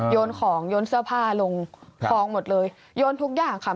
โยนของโยนเสื้อผ้าลงคลองหมดเลยโยนทุกอย่างค่ะ